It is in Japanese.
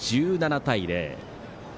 １７対０。